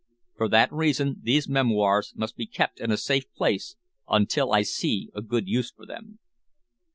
For that reason, these memoirs must be kept in a safe place until I see a good use for them."